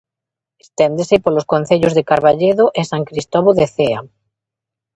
Esténdese polos concellos de Carballedo e San Cristovo de Cea.